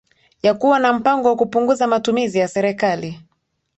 ya kuwa na mpango wa kupunguza matumizi ya serikali